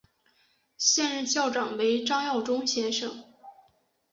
现任校长为张耀忠先生。